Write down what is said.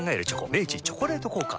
明治「チョコレート効果」